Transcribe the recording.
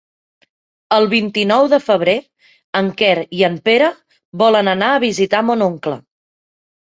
El vint-i-nou de febrer en Quer i en Pere volen anar a visitar mon oncle.